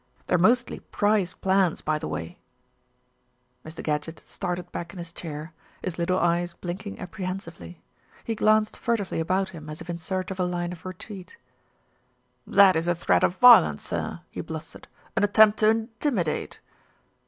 They're mostly prize plants, by the way." MR. GADGETT PAYS A CALL 245 Mr. Gadgett started back in his chair, his little eyes blinking apprehensively. He glanced furtively about him, as if in search of a line of retreat. "That is a threat of violence, sir," he blustered, "an attempt to intimidate."